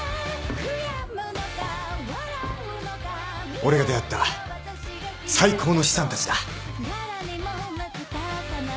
俺が出会った最高の資産たちだ。